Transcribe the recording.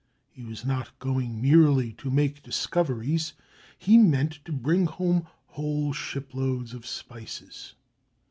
He was not going merely to make discoveries; he meant to bring home whole shiploads of spices.